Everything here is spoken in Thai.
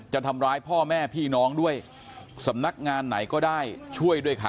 จะทำร้ายพ่อแม่พี่น้องด้วยสำนักงานไหนก็ได้ช่วยด้วยค่ะ